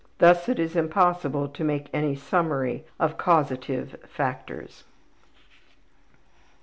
Thus it is impossible to make any summary of causative factors.